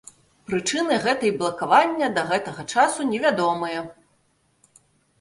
Прычыны гэтай блакавання да гэтага часу невядомыя.